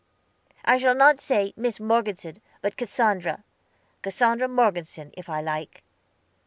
"I shall not say 'Miss Morgeson,' but 'Cassandra.' 'Cassandra Morgeson,' if I like."